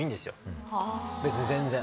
別に全然。